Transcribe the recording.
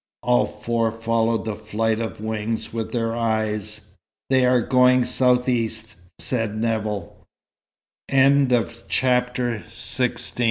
All four followed the flight of wings with their eyes. "They are going south east," said Nevill. XVII If